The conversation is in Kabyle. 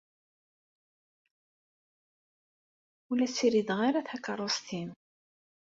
Ur la ssirideɣ ara takeṛṛust-im.